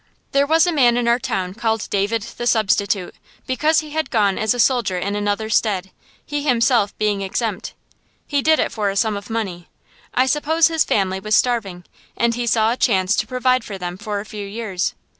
There was a man in our town called David the Substitute, because he had gone as a soldier in another's stead, he himself being exempt. He did it for a sum of money. I suppose his family was starving, and he saw a chance to provide for them for a few years.